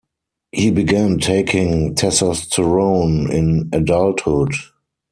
He began taking testosterone in adulthood.